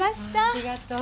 ありがとう。